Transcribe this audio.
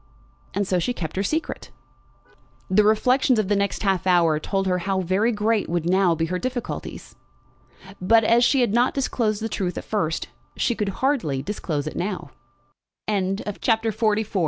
And so she kept her secret. The reflections of the next half hour told her how very great would now be her difficulties. But, as she had not disclosed the truth at first, she could hardly disclose it now. CHAPTER XLV The Journey to London Wh